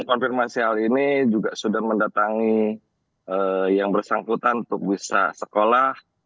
konfirmasi hal ini juga sudah mendatangi yang bersangkutan untuk bisa sekolah